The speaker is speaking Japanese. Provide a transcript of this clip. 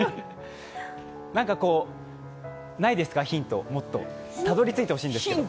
何かないですか、ヒント、たどりついてほしいんですけど。